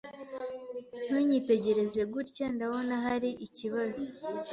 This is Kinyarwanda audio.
Ntunyitegereze gutya ndabona hari ikibazo.